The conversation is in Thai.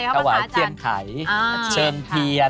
ถวายเทียนไข่เชิงเทียน